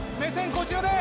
こちらで！